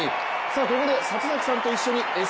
ここで里崎さんと一緒に「Ｓ☆